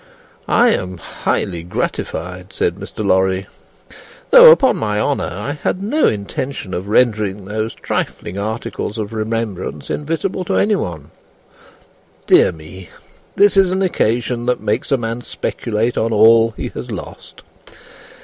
"I am highly gratified," said Mr. Lorry, "though, upon my honour, I had no intention of rendering those trifling articles of remembrance invisible to any one. Dear me! This is an occasion that makes a man speculate on all he has lost.